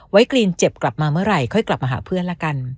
กรีนเจ็บกลับมาเมื่อไหร่ค่อยกลับมาหาเพื่อนละกัน